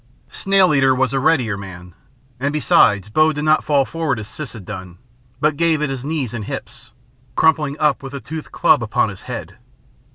Snail eater was a readier man, and besides Bo did not fall forward as Siss had done, but gave at his knees and hips, crumpling up with the toothed club upon his head.